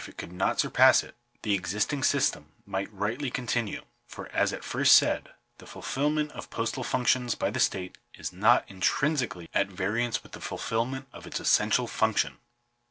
And it is further clear that if it eould not surpass it, the existing system might rightly con tinue ; for, as at first said, the fulfilment of postal functions by the state is not intrinsically at variance with the fulfilment of its essential function.